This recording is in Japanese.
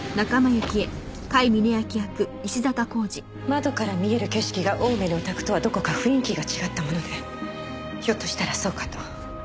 窓から見える景色が青梅のお宅とはどこか雰囲気が違ったものでひょっとしたらそうかと。